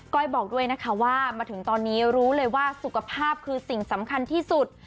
บอกด้วยนะคะว่ามาถึงตอนนี้รู้เลยว่าสุขภาพคือสิ่งสำคัญที่สุด